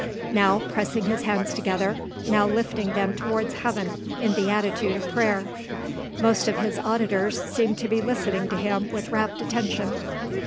Now pressing his hands together, now lifting them towards heaven in the attitude of prayer. Most of his auditors seemed to be listening to him with rapt attention.